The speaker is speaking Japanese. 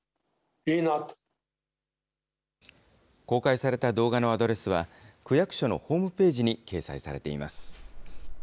公開された動画のアドレスは、区役所のホームページに掲載されています。